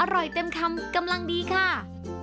อร่อยเต็มคำกำลังดีค่ะ